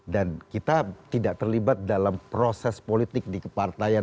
dan kita tidak terlibat dalam proses politik di kepartaian